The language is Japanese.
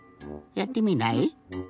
やってみない？